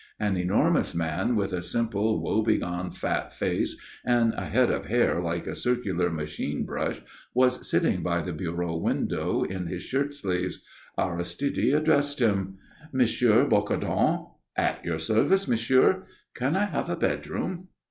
An enormous man with a simple, woe begone fat face and a head of hair like a circular machine brush was sitting by the bureau window in his shirt sleeves. Aristide addressed him. "M. Bocardon?" "At your service, monsieur." "Can I have a bedroom?"